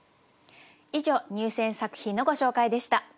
以上入選作品のご紹介でした。